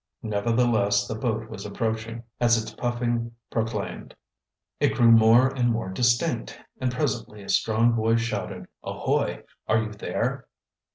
Nevertheless the boat was approaching, as its puffing proclaimed. It grew more and more distinct, and presently a strong voice shouted "Ahoy! Are you there?"